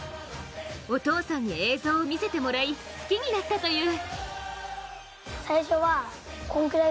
お父さんに映像を見せてもらい好きになったという。